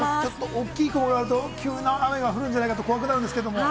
大きい雲があると、急な雨が降るんじゃないかと、怖くなるんですけれど。